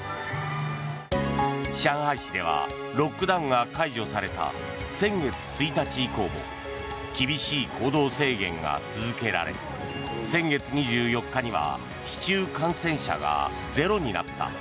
上海市ではロックダウンが解除された先月１日以降も厳しい行動制限が続けられ先月２４日には市中感染者がゼロになった。